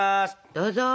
どうぞ。